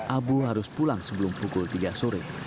abu harus pulang sebelum pukul tiga sore